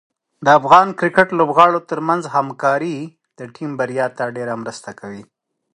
د افغان کرکټ لوبغاړو ترمنځ همکاري د ټیم بریا ته ډېره مرسته کوي.